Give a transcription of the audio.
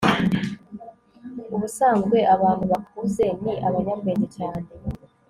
ubusanzwe abantu bakuze ni abanyabwenge cyane